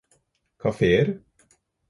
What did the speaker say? kafeer